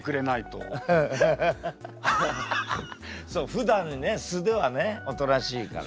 ふだんね素ではねおとなしいから。